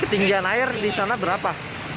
ketinggian air di sana berapa